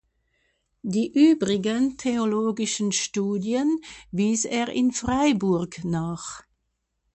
Die übrigen theologischen Studien wies er in Freiburg nach.